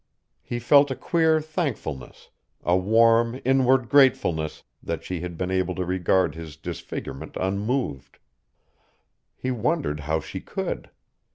He felt a queer thankfulness, a warm inward gratefulness, that she had been able to regard his disfigurement unmoved. He wondered how she could.